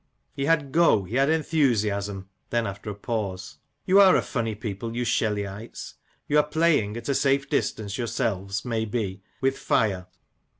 He had go, he had enthusiasm." Then, after a pause, "You are a funny people, you Shelleyites: you are playing — at a safe distance yourselves, may be — with fire.